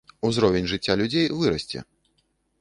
Узровень жыцця людзей вырасце.